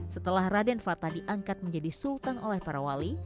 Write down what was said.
setelah raden fatah diangkat menjadi sultan oleh para wali